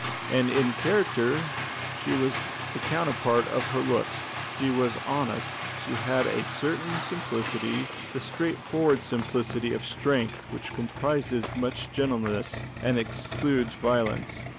And in character she was the counterpart of her looks. She was honest; she had a certain simplicity, the straightforward simplicity of strength which comprises much gentleness and excludes violence.